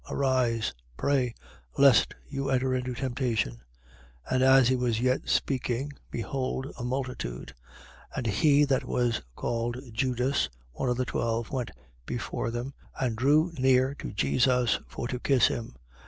Arise: pray: lest you enter into temptation. 22:47. As he was yet speaking, behold a multitude; and he that was called Judas, one of the twelve, went before them and drew near to Jesus, for to kiss him.